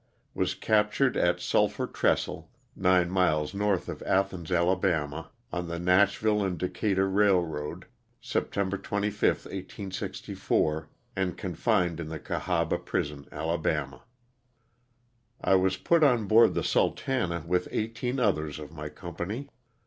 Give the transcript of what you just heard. Was captured at Sulphur Trestle, nine miles north of Athens, Ala., on the Nashville & Decatur Railroad, September 25, 1864, and confined in the Cahaba prison, Alabama. I was put on board the " Sultana" with eighteen others of my company.